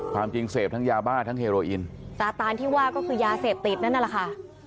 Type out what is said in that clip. ความจริงเสพทั้งยาบ้าทั้งเฮโรอินสาตานที่ว่าก็คือยาเสพติดนั่นนั่นแหละค่ะ